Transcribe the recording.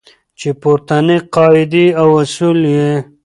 چې پورتنۍ قاعدې او اصول یې